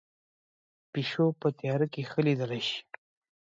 پیشو په تیاره کې ښه لیدلی شي